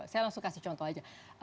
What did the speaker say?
saya langsung kasih contoh aja